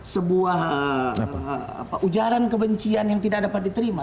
sebuah ujaran kebencian yang tidak dapat diterima